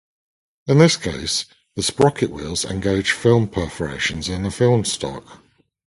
In this case, the sprocket wheels engage film perforations in the film stock.